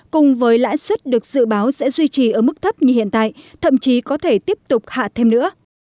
cùng với lãi suất được dự báo sẽ duy trì ở mức thấp như hiện tại thậm chí có thể tiếp tục hạ thêm nữa